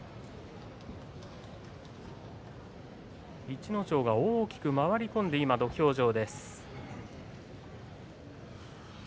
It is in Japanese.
逸ノ城が大きく回り込んで今、土俵上。